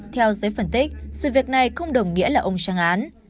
theo giới phân tích sự việc này không đồng nghĩa là ông sang án